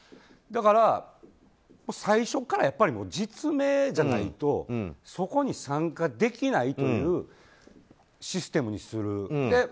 だから、最初から実名じゃないとそこに参加できないというシステムにする。